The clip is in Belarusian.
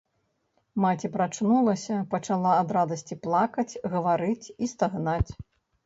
Маці прачнулася, пачала ад радасці плакаць, гаварыць і стагнаць.